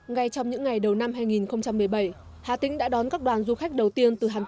ngay trong những ngày đầu năm hai nghìn một mươi bảy hà tĩnh đã đón các đoàn du khách đầu tiên